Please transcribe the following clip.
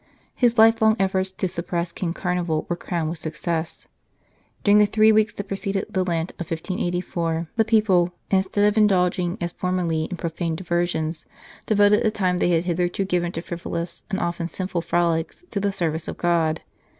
His lifelong efforts to suppress King Carnival were crowned with success. During the three weeks that preceded the Lent of 1584, the people, instead of indulging as formerly in profane diversions, devoted the time they had hitherto given to frivolous and often sinful frolics, to the service of God.